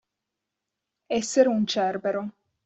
Essere un Cerbero.